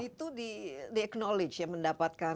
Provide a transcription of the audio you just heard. dan itu di acknowledge ya mendapatkan